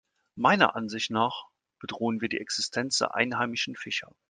Meiner Ansicht nach bedrohen wir die Existenz der einheimischen Fischer.